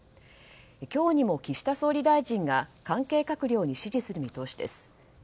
今日にも岸田総理大臣が関係閣僚に指示する見通しです。